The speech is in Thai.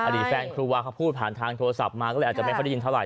อดีตแฟนครูวาเขาพูดผ่านทางโทรศัพท์มาก็เลยอาจจะไม่ค่อยได้ยินเท่าไห